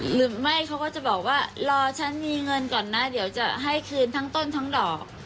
หรือไม่เขาก็จะบอกว่ารอฉันมีเงินก่อนนะเดี๋ยวจะให้คืนทั้งต้นทั้งดอก